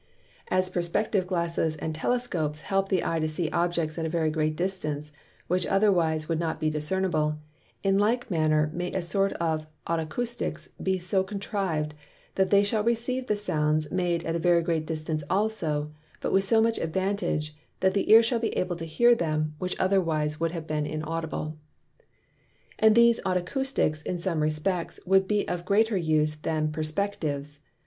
As Perspective Glasses and Telescopes help the Eye to see Objects at a very great distance, which otherwise would not be discernable; in like manner may a sort of Otacousticks be so contriv'd, as that they shall receive in Sounds made at a very great distance also, but with so much advantage, that the Ear shall be able to hear them, which otherwise would have been inaudible. And these Otacousticks in some respects would be of greater use than Perspectives.